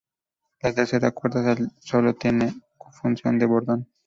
La tercera cuerda sólo tiene función de bordón.